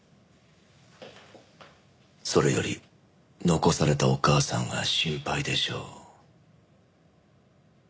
それより残されたお母さんが心配でしょう。